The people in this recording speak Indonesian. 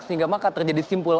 sehingga maka terjadi simpul